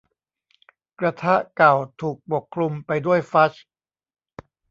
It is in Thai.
กระทะเก่าถูกปกคลุมไปด้วยฟัดจ์